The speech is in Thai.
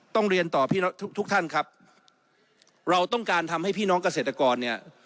ต้องเรียนต่อพี่น้องทุกทุกท่านครับเราต้องการทำให้พี่น้องเกษตรกรเนี่ย